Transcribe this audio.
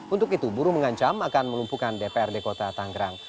untuk itu buruh mengancam akan melumpuhkan dprd kota tanggerang